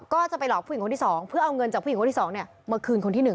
ก็จะไปหลอกผู้หญิงคนที่๒เพื่อเอาเงินจากผู้หญิงคนที่๒มาคืนคนที่๑